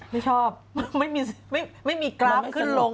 ไม่ชอบไม่มีกราฟขึ้นลง